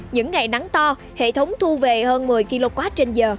những ngày nắng to hệ thống thu về hơn một mươi kw trên giờ